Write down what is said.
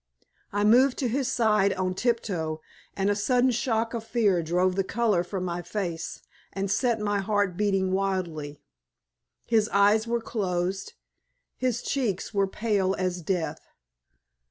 I moved to his side on tiptoe, and a sudden shock of fear drove the color from my face, and set my heart beating wildly. His eyes were closed, his cheeks were pale as death.